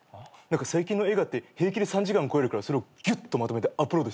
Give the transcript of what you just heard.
最近の映画って平気で３時間超えるからそれをぎゅっとまとめてアップロードしてました。